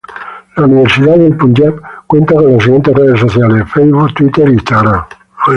La Universidad del Punyab cuenta con las siguientes redes sociales: Facebook, Twitter, Instagram.